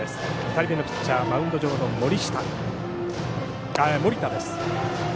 ２人目のピッチャーはマウンド上の森田です。